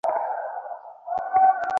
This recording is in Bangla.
পরের দিন সকালে দামিনীর সে কী চেহারা!